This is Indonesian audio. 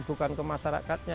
bukan ke masyarakatnya